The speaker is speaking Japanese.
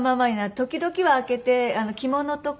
時々は開けて着物とか。